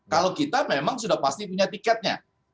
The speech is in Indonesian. kalau kita memang sudah pasti punya tiketnya